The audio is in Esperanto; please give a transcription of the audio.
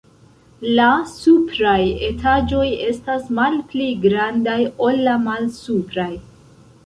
La supraj etaĝoj estas malpli grandaj ol la malsupraj.